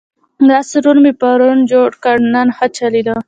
دا سرور مې پرون جوړ کړ، نن ښه چلېده.